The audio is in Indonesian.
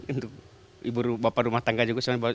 untuk ibu bapak rumah tangga juga sangat bagus